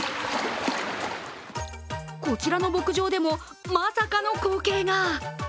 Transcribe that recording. こちらの牧場でもまさかの光景が。